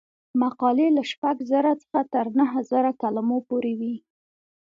مقالې له شپږ زره څخه تر نهه زره کلمو پورې وي.